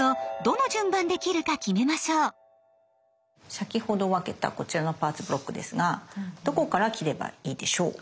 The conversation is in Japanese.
先ほど分けたこちらのパーツ・ブロックですがどこから切ればいいでしょう？